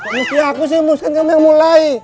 mesti aku sih yang memutuskan kamu yang mulai